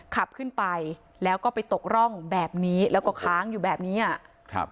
ขับขึ้นไปแล้วก็ไปตกร่องแบบนี้แล้วก็ค้างอยู่แบบนี้อ่ะครับ